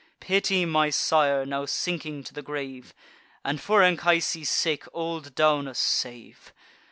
Pity my sire, now sinking to the grave; And for Anchises' sake old Daunus save!